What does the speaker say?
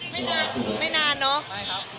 ไม่นานเนาะ